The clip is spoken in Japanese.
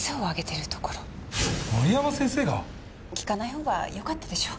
聞かない方がよかったでしょ？